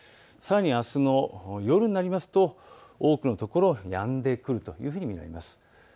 さらにあすの夜になりますと多くのところやんでくるというふうに見られます。